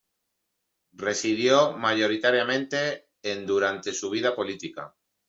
Residió mayoritariamente en durante su vida política.